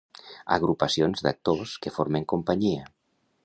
Agrupacions d'actors que formen companyia.